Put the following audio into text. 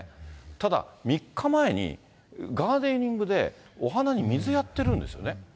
ただ、３日前に、ガーデニングでお花に水やってるんですよね。